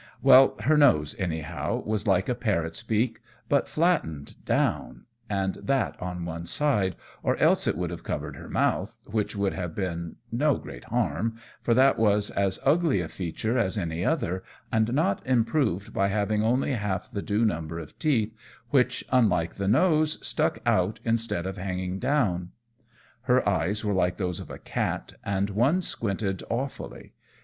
Well, her nose, anyhow, was like a parrot's beak, but flattened down, and that on one side, or else it would have covered her mouth, which would have been no great harm, for that was as ugly a feature as any other, and not improved by having only half the due number of teeth, which, unlike the nose, stuck out instead of hanging down. Her eyes were like those of a cat, and one squinted awfully.